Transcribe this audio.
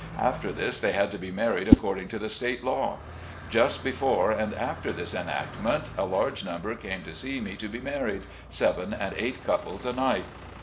After this they had to be married according to the state law. Just before and after this enactment a large number came to me to be married, seven and eight couples a night.